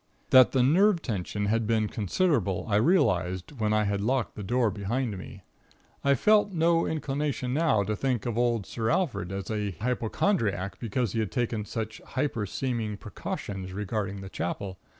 "That the nerve tension had been considerable, I realized, when I had locked the door behind me. I felt no inclination now to think of old Sir Alfred as a hypochondriac because he had taken such hyperseeming precautions regarding the Chapel.